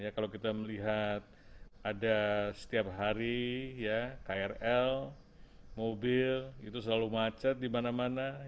kalau kita melihat ada setiap hari krl mobil itu selalu macet di mana mana